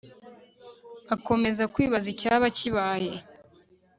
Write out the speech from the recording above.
akomeza kwibaza icyaba kibaye